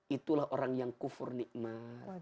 itulah orang yang kufur nikmat